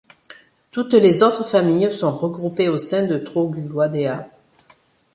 Toutes les autres familles sont regroupées au sein de Troguloidea.